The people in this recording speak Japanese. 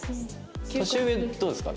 年上どうですか？